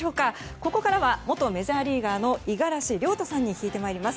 ここからは元メジャーリーガーの五十嵐亮太さんに聞いてまいります。